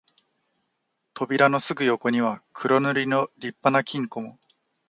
扉のすぐ横には黒塗りの立派な金庫も、